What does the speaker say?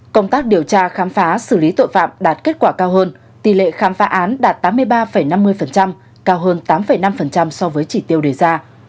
công tác điều tra khám phá xử lý tội phạm đạt kết quả cao hơn tỷ lệ khám phá án đạt tám mươi ba năm mươi cao hơn tám năm so với chỉ tiêu đề ra